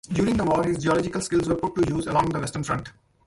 During the war his geological skills were put to use along the western front.